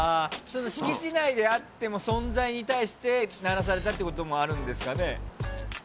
敷地内であっても存在に対して鳴らされたってこともあるんですかね？